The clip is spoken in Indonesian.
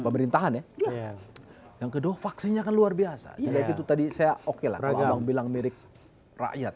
pemerintahannya yang kedua vaksinnya kan luar biasa itu tadi saya oke lah bilang mirip rakyat